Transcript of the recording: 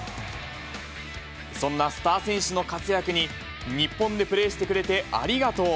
そんなスター選手の活躍に、日本でプレーしてくれてありがとう。